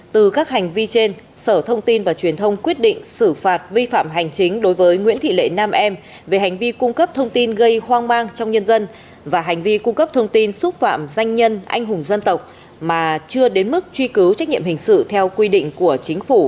từ các hành vi trên sở thông tin và truyền thông quyết định xử phạt vi phạm hành chính đối với nguyễn thị lệ nam em về hành vi cung cấp thông tin gây hoang mang trong nhân dân và hành vi cung cấp thông tin xúc phạm danh nhân anh hùng dân tộc mà chưa đến mức truy cứu trách nhiệm hình sự theo quy định của chính phủ